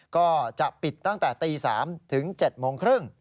ก็จะปิดตั้งแต่ตี๓๐๐ถึง๗๓๐น